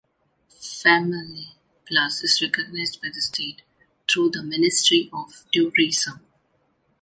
Famille Plus is recognized by the State through the Ministry of Tourism.